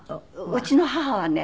うちの母はね